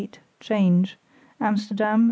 8 (change), Amsterdam 7.